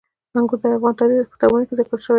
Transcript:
انګور د افغان تاریخ په کتابونو کې ذکر شوي دي.